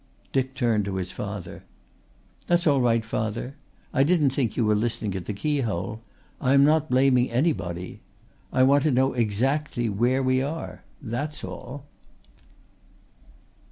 Dick turned to his father. "That's all right, father. I didn't think you were listening at the keyhole. I am not blaming anybody. I want to know exactly where we are that's all."